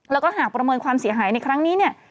แล้วก็หากประเมินความเสียหายในครั้งนี้เนี่ย